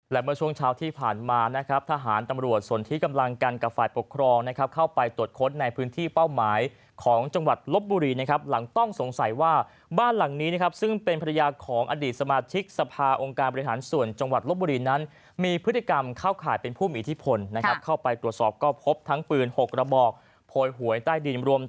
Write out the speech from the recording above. และเมื่อช่วงเช้าที่ผ่านมานะครับทหารตำรวจส่วนที่กำลังกันกับฝ่ายปกครองนะครับเข้าไปตรวจค้นในพื้นที่เป้าหมายของจังหวัดลบบุรีนะครับหลังต้องสงสัยว่าบ้านหลังนี้นะครับซึ่งเป็นภรรยาของอดีตสมาธิกสภาองค์การบริษัทส่วนจังหวัดลบบุรีนั้นมีพฤติกรรมเข้าข่ายเป็นผู้มีอิทธิ